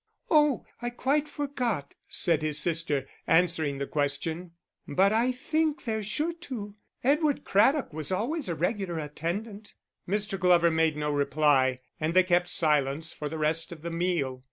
"Oh, I quite forgot," said his sister, answering the question. "But I think they're sure to. Edward Craddock was always a regular attendant." Mr. Glover made no reply, and they kept silence for the rest of the meal.